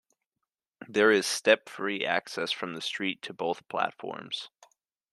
There is step-free access from the street to both platforms.